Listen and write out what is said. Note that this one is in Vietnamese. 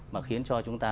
mà khiến cho chúng ta